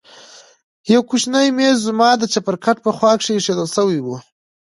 يو کوچنى ميز زما د چپرکټ په خوا کښې ايښوول سوى و.